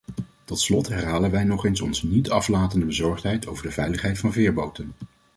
Tot slot herhalen wij nog eens onze niet-aflatende bezorgdheid over de veiligheid van veerboten.